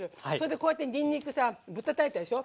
こうやって、にんにくぶったたいたでしょ。